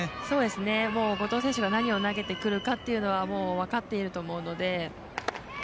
もう後藤選手が何を投げてくるかというのは分かっていると思うので。